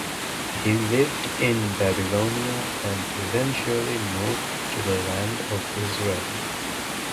He lived in Babylonia and eventually moved to the Land of Israel.